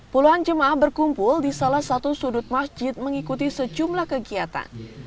puluhan jemaah berkumpul di salah satu sudut masjid mengikuti sejumlah kegiatan